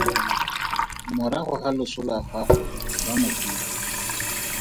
Morago ga loso lwa gagwe ba mo fitlha.